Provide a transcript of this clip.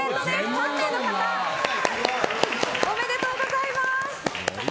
３名の方おめでとうございます。